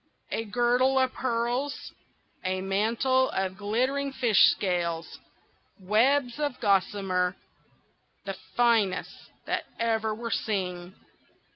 A girdle of pearls! a mantle of glittering fish scales! webs of gossamer, the finest that ever were seen!